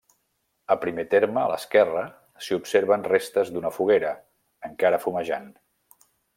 A primer terme a l'esquerra s'hi observen restes d'una foguera, encara fumejant.